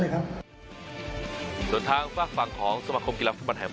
เลยครับเพื่อนทางฝากฟังของสมาคมกีฬาฟุกบรรยะแห่ง